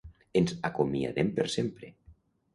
Ens acomiadem per sempre.